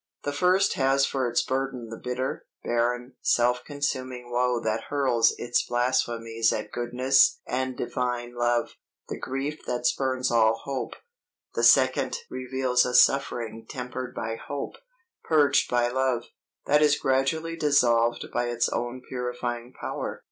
The first has for its burden the bitter, barren, self consuming woe that hurls its blasphemies at goodness and divine love, the grief that spurns all hope. The second reveals a suffering tempered by hope, purged by love, that is gradually dissolved by its own purifying power.